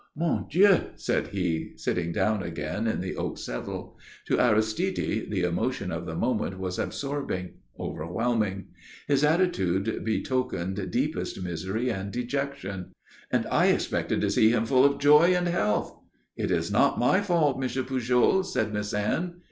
"Mon Dieu," said he, sitting down again in the oak settle. To Aristide the emotion of the moment was absorbing, overwhelming. His attitude betokened deepest misery and dejection. "And I expected to see him full of joy and health!" "It is not my fault, Mr. Pujol," said Miss Anne.